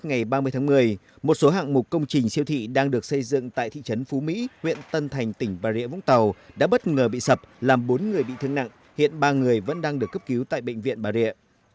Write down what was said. ngày ba mươi tháng một mươi một số hạng mục công trình siêu thị đang được xây dựng tại thị trấn phú mỹ huyện tân thành tỉnh bà rịa vũng tàu đã bất ngờ bị sập làm bốn người bị thương nặng hiện ba người vẫn đang được cấp cứu tại bệnh viện bà rịa